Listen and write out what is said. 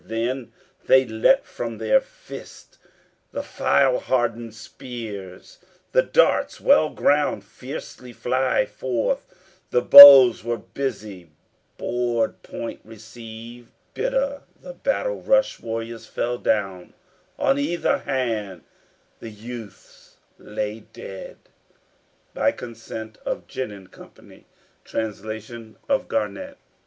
Then they let from their fists the file hardened spears, The darts well ground, fiercely fly forth: The bows were busy, board point received, Bitter the battle rush, warriors fell down, On either hand the youths lay dead. By consent of Ginn & Co. Translation of Garnett.